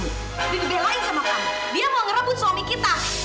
tapi dibelain sama kamu dia mau ngerebut suami kita